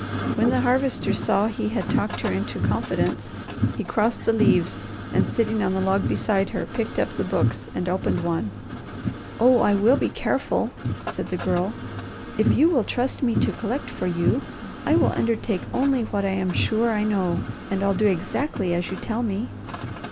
When the Harvester saw he had talked her into confidence he crossed the leaves, and sitting on the log beside her, picked up the books and opened one. "Oh I will be careful," said the Girl. "If you will trust me to collect for you, I will undertake only what I am sure I know, and I'll do exactly as you tell me."